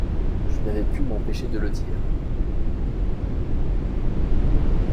Je n’avais pu m’empêcher de le dire.